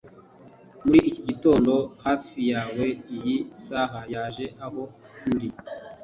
muri iki gitondo, hafi yawe, iyi saha yaje aho ndi